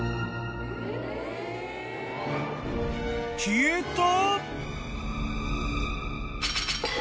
［消えた！？］